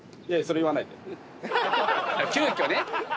急きょね。